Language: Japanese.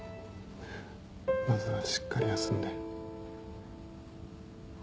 まずはしっかり休んで。